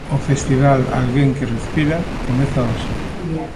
O festival "Alguén que respira!" comeza hoxe.